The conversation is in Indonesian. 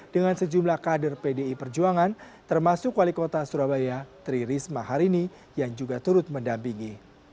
dengan sejumlah kader pdi perjuangan termasuk wali kota surabaya tri risma harini yang juga turut mendampingi